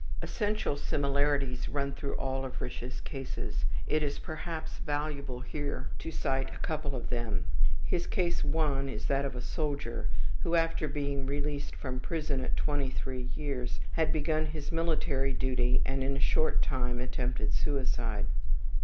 Essential similarities run through all of Risch's cases; it is perhaps valuable here to cite a couple of them. His Case I is that of a soldier, who after being released from prison at 23 years had begun his military duty and in a short time attempted suicide.